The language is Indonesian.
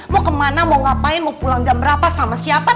mau kemana mau ngapain mau pulang jam berapa sama siapa